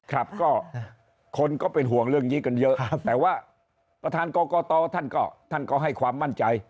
ครับก็คนก็เป็นห่วงเรื่องนี้กันเยอะแต่ว่าประธานกรกตท่านก็ท่านก็ให้ความมั่นใจ